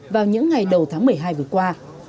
vào những ngày đầu tháng một mươi hai vừa qua